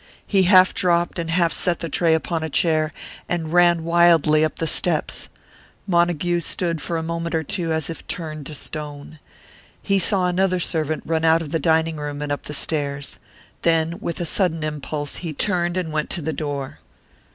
He half dropped and half set the tray upon a chair, and ran wildly up the steps. Montague stood for a moment or two as if turned to stone. He saw another servant run out of the dining room and up the stairs. Then, with a sudden impulse, he turned and went to the door.